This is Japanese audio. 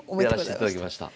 やらせていただきました。